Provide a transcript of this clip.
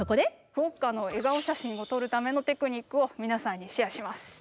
クオッカの笑顔写真を撮るためのテクニックを皆さんにシェアします。